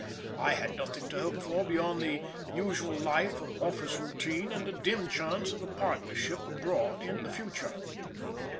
I had nothing to hope for beyond the usual life of office routine and a dim chance of a partnership abroad in the future.